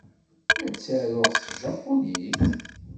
La ttaruɣ s tjapunit?